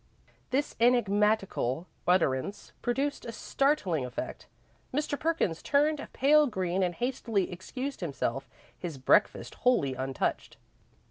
This enigmatical utterance produced a startling effect. Mr. Perkins turned a pale green and hastily excused himself, his breakfast wholly untouched.